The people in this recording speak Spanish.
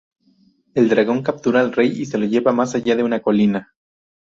El dragón captura al Rey y se lo lleva más allá de una colina.